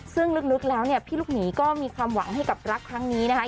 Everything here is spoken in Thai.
ซึ่งลึกแล้วเนี่ยพี่ลูกหนีก็มีความหวังให้กับรักครั้งนี้นะคะ